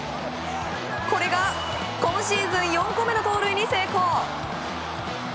これが今シーズン４個目の盗塁に成功。